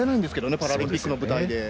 パラリンピックの舞台で。